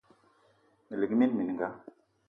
Me lik mina mininga